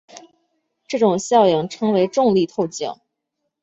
这种效应称为重力透镜。